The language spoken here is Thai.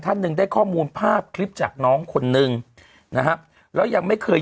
ท่านหนึ่งได้ข้อมูลภาพคลิปจากน้องคนนึงนะฮะแล้วยังไม่เคย